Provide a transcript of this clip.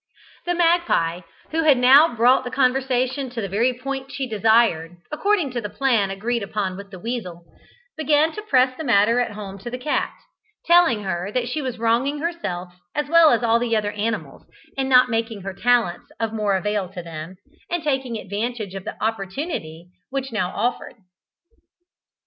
The magpie, who had now brought the conversation to the very point she desired, according to the plan agreed upon with the weasel, began to press the matter home to the cat, telling her that she was wronging herself as well as all the other animals in not making her talents of more avail to them, and taking advantage of the opportunity which now offered.